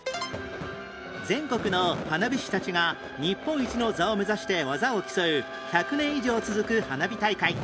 全国の花火師たちが日本一の座を目指して技を競う１００年以上続く花火大会